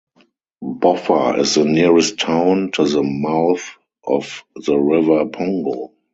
Boffa is the nearest town to the mouth of the River Pongo.